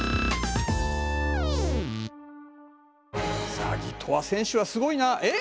ザギトワ選手はすごいなえっ！？